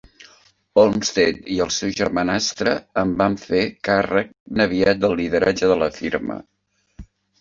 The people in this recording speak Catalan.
Olmsted i el seu germanastre en van fer càrrec ben aviat del lideratge de la firma.